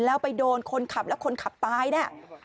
แล้วไปโดนคนขับแล้วคนขับตายเนี่ย